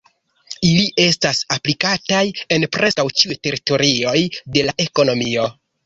Ili estas aplikataj en preskaŭ ĉiuj teritorioj de la ekonomio.